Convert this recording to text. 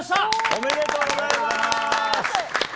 おめでとうございます。